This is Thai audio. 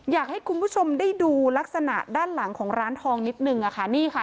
อยากให้คุณผู้ชมได้ดูลักษณะด้านหลังของร้านทองนิดนึงอะค่ะนี่ค่ะ